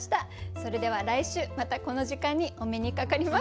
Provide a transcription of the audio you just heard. それでは来週またこの時間にお目にかかります。